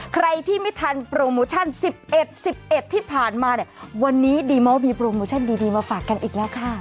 ใครที่ไม่ทันโปรโมชั่น๑๑๑๑ที่ผ่านมาเนี่ยวันนี้ดีมอลมีโปรโมชั่นดีมาฝากกันอีกแล้วค่ะ